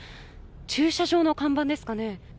駐車場の看板ですかね。